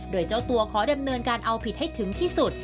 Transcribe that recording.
โดยเจ้าตัวขอดำเนินการเอาผิดให้ถึงที่สุด